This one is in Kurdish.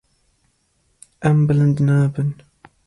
Em bilind nabin.